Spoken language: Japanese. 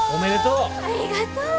ありがとう！